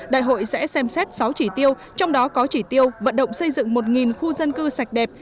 đại hội sẽ xem xét sáu chỉ tiêu trong đó có chỉ tiêu vận động xây dựng một khu dân cư sạch đẹp